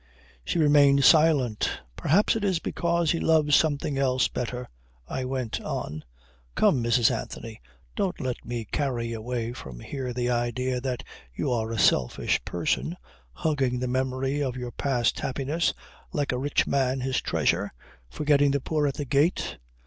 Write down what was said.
She remained silent. "Perhaps it is because he loves something else better," I went on. "Come, Mrs. Anthony, don't let me carry away from here the idea that you are a selfish person, hugging the memory of your past happiness, like a rich man his treasure, forgetting the poor at the gate."